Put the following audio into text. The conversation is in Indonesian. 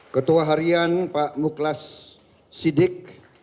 ketua harian pak muklas sidik